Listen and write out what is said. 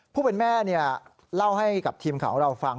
ผู้เป็นแม่เล่าให้กับทีมข่าวของเราฟัง